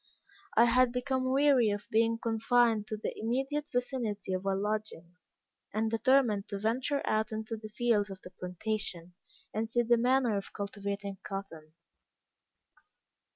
I had become weary of being confined to the immediate vicinity of our lodgings, and determined to venture out into the fields of the plantation, and see the manner of cultivating cotton.